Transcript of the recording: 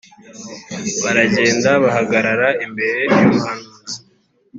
baragenda bahagarara imbere y’umuhanuzi